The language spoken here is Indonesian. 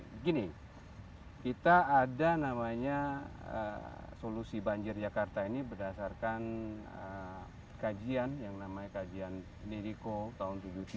begini kita ada namanya solusi banjir jakarta ini berdasarkan kajian yang namanya kajian medico tahun seribu sembilan ratus tujuh puluh tiga